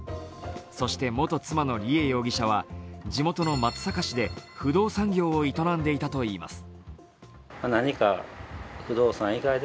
そして元妻の梨恵容疑者は地元の松阪市で、不動産業を営んでいたといいます。